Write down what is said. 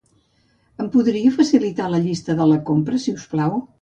Em podria facilitar la llista de la compra, si us plau?